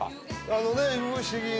あのね。